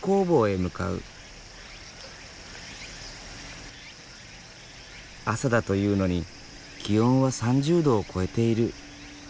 朝だというのに気温は３０℃を超えている。